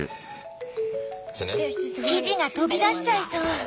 生地が飛び出しちゃいそう。